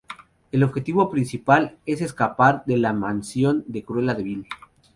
El objetivo principal es escapar de la mansión de Cruella DeVil.